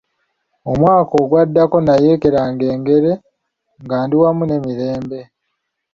Omwaka ogwaddako nayeekeranga engere nga ndi wamu ne Mirembe.